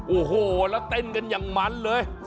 โอ้โหแล้วเต้นกันอย่างมันเลย